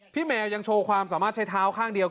แมวยังโชว์ความสามารถใช้เท้าข้างเดียว